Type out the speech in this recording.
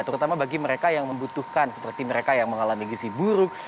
terutama bagi mereka yang membutuhkan seperti mereka yang mengalami gisi buruk